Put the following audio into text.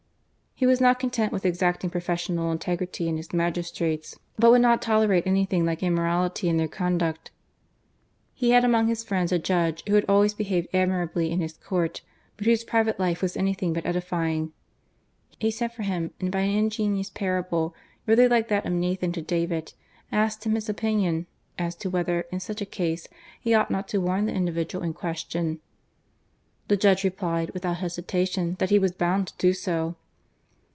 He was not contait with exacting i»ofes^cMial iptegrity in his magistzates, bnt would not tderate anything like immcHah^ in their conduct. He had amcmg his friends a jodge who had always behaved ' admirably in his coort, bnt vdiose private life was aiqrthing bat edifying. He sent for faim, and by an ing«uoas parable, rather like that of Nathan to I^vid, asked him his opinitHi as to «4iether, in snch a case, he onght not to warn the individual in question? The judge replied, withoot hesitation, that he was bound to do so.